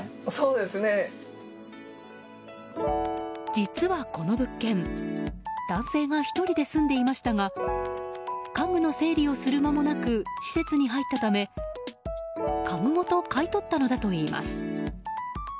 実は、この物件男性が１人で住んでいましたが家具の整理をする間もなく施設に入ったため家具ごと買い取ったのだといいます。